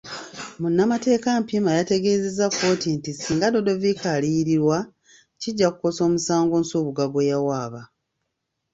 Munnmateeka Mpiima yategeezezza kkooti nti singa Dodoviko aliyiririrwa, kijja kukosa omusango Nsubuga gwe yawaaba.